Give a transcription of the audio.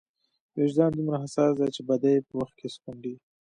وجدان دومره حساس دی چې بدۍ په وخت کې سکونډي.